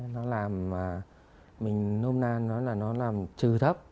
nó làm mình nôm nan nói là nó làm trừ thấp